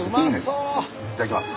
いただきます。